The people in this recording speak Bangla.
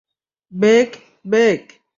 Bake, bake!